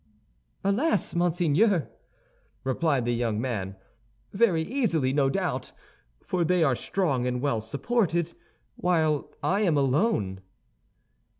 "Alas, monseigneur!" replied the young man, "very easily, no doubt, for they are strong and well supported, while I am alone."